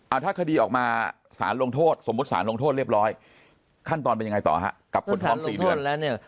ถ้าคดีออกมาสารลงโทษสมมุติสารลงโทษเรียบร้อยขั้นตอนเป็นยังไงต่อฮะกับคนท้องสี่เดือนแล้วเนี่ย